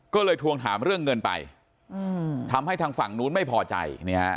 ก็เลยทวงถามเรื่องเงินไปทำให้ทางฝั่งนู้นไม่พอใจ